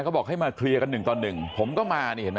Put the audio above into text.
เขาบอกให้มาเคลียร์กันหนึ่งต่อหนึ่งผมก็มานี่เห็นไหม